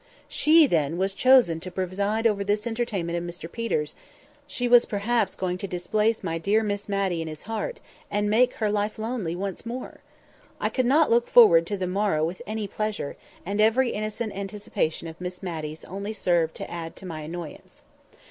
She, then, was chosen to preside over this entertainment of Mr Peter's; she was perhaps going to displace my dear Miss Matty in his heart, and make her life lonely once more! I could not look forward to the morrow with any pleasure; and every innocent anticipation of Miss Matty's only served to add to my annoyance.